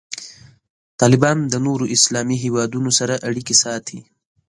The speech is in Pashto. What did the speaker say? طالبان د نورو اسلامي هیوادونو سره اړیکې ساتي.